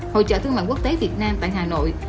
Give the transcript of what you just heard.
hội trợ thương mại quốc tế việt nam tại hà nội